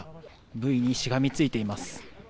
ブイにしがみついています。